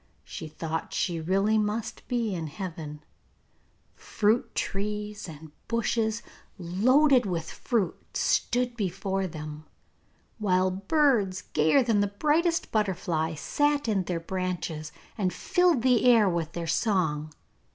She thought she really must be in Heaven. Fruit trees and bushes loaded with fruit stood before them, while birds gayer than the brightest butterfly sat in their branches and filled the air with their song.